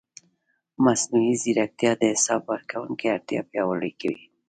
مصنوعي ځیرکتیا د حساب ورکونې اړتیا پیاوړې کوي.